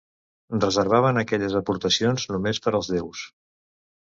Reservaven aquelles aportacions només per als déus.